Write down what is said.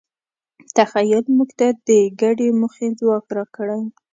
تخیل موږ ته د ګډې موخې ځواک راکړی.